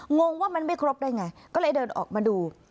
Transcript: งงว่ามันไม่ครบได้ไงก็เลยเดินออกมาดู